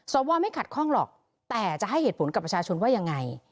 สวไม่ขัดข้องหรอกแต่จะให้เหตุผลกับประชาชนว่ายังไง